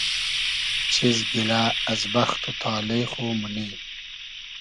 چیز گیلۂ از بئخت و تالې خو مونی؟